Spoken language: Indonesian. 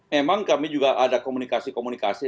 memang kami juga ada komunikasi komunikasi